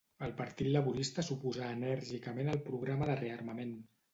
El Partit Laborista s'oposà enèrgicament al programa de rearmament.